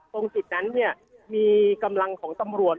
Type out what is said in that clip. ตรงติดนั้นมีกำลังของตำรวจ